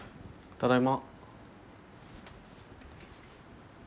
ただいま。